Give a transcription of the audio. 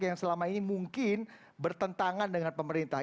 yang selama ini mungkin bertentangan dengan pemerintah